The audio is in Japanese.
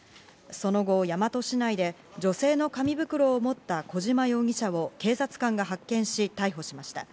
その後、大和市内で女性の紙袋を持った小島容疑者を警察官が発見し、逮捕しました。